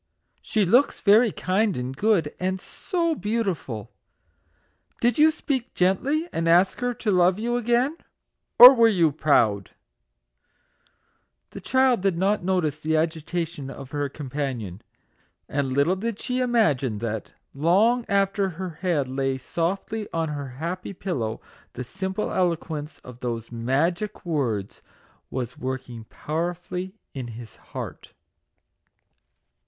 " She looks very kind and good, and so beautiful ! Did you speak gently, and ask her to love you again : or were you proud ?" MAGIC WORDS. 17 The child did not notice the agitation of her companion, and little did she imagine that, long after her head lay softly on her happy pillow, the simple eloquence of those Magic Words was working powerfully in his heart